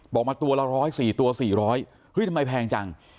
บอกมาตัวละ๑๐๔ตัว๔๐๐เฮ้ยทำไมแพงจัง